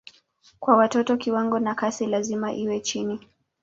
Kwa watoto kiwango na kasi lazima iwe chini.